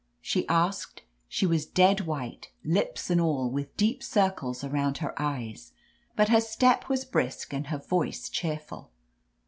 she asked. She was dead white, lips and all, with deep circles around her eyes, but her step was brisk and her voice cheerful.